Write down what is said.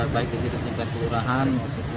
baik di kedipo kelurahan